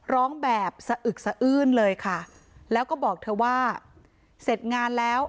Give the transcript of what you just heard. ร้องแบบสะอึกสะอื้นเลยค่ะแล้วก็บอกเธอว่าเสร็จงานแล้ว